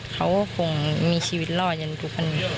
เขาคงมีชีวิตร่อยเย็นทุกคัน